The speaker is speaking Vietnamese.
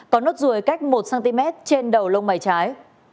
có nốt ruồi cách một cm trên đầu lông mày trái